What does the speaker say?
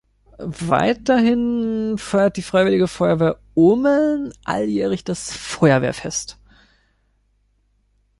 Weiterhin feiert die "Freiwillige Feuerwehr Ummeln" alljährlich das "Feuerwehrfest".